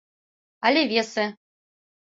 Але весе: